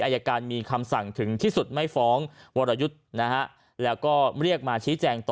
อายการมีคำสั่งถึงที่สุดไม่ฟ้องวรยุทธ์นะฮะแล้วก็เรียกมาชี้แจงต่อ